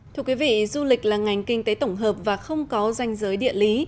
thưa quý vị du lịch là ngành kinh tế tổng hợp và không có danh giới địa lý